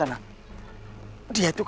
ini dia pak